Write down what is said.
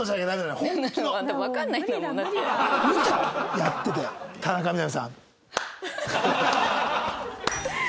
やってて田中みな実さん。